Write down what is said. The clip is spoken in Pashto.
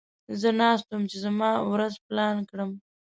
زه ناست وم چې زما ورځ پلان کړم.